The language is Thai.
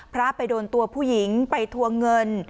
พระไปโดนตัวผู้หญิงไปทวงเงิน